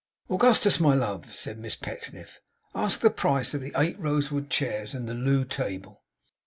'Augustus, my love,' said Miss Pecksniff, 'ask the price of the eight rosewood chairs, and the loo table.